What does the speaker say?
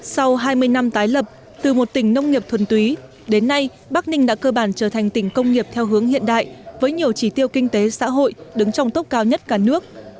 sau hai mươi năm tái lập từ một tỉnh nông nghiệp thuần túy đến nay bắc ninh đã cơ bản trở thành tỉnh công nghiệp theo hướng hiện đại với nhiều chỉ tiêu kinh tế xã hội đứng trong tốc cao nhất cả nước